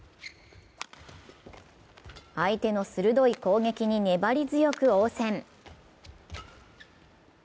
相手の鋭い攻撃に粘り強く応戦。